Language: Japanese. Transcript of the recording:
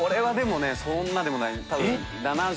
そんなでもない。